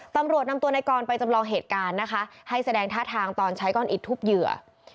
ตำรวจนำตัวในกรไปจำลองเหตุการณ์นะคะให้แสดงท่าทางตอนใช้ก้อนอิดทุบเหยื่อ